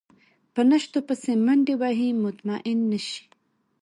په نشتو پسې منډې وهي مطمئن نه شي.